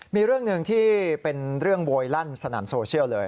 มีเรื่องหนึ่งที่เป็นเรื่องโวยลั่นสนั่นโซเชียลเลย